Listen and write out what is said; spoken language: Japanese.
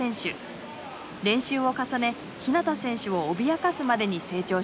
練習を重ね日向選手を脅かすまでに成長しました。